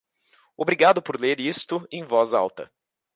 Obrigado por ler isto em voz alta.